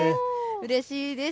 うれしいです。